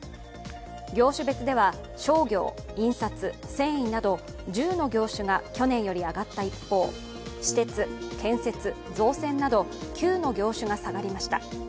業種別では、商業、印刷、繊維など１０の業種が去年より上がった一方、私鉄、建設、造船など９の業種が下がりました。